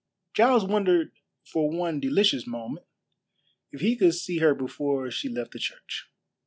Giles wondered for one delicious moment if he could see her before she left the church.